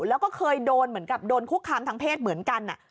แล้วก็เคยโดนครูกคำทั้งเพศเหมือนกัน